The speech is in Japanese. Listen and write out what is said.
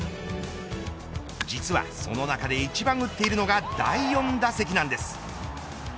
実はその中で一番打っているのが第４打席なんです。